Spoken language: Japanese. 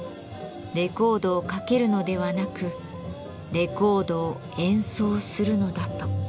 レコードをかけるのではなくレコードを演奏するのだと。